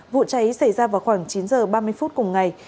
vụ cháy xảy ra vào khoảng chín h ba mươi phút cùng ngày